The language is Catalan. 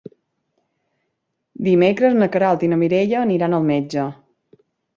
Dimecres na Queralt i na Mireia aniran al metge.